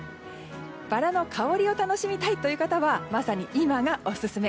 バラの香りを楽しみたいという方はまさに今がオススメ。